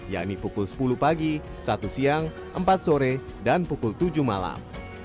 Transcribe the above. yakni pukul sepuluh pagi satu siang empat sore dan pukul tujuh malam